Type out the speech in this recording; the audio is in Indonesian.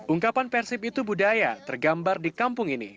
ungkapan persib itu budaya tergambar di kampung ini